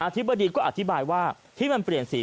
ธิบดีก็อธิบายว่าที่มันเปลี่ยนสี